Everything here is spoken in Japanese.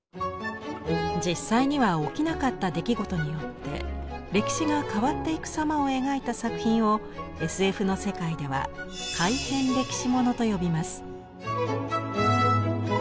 実際には起きなかった出来事によって歴史が変わっていく様を描いた作品をＳＦの世界では「改変歴史もの」と呼びます。